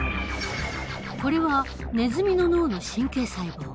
これはネズミの脳の神経細胞。